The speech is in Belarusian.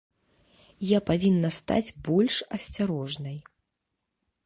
Я павінна стаць больш асцярожнай.